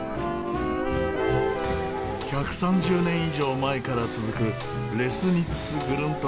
１３０年以上前から続くレスニッツグルント